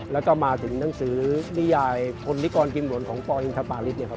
แล้วก็มาถึงหนังสือนิยายคนลิกรกิจบรรณของปอินทรปาริศ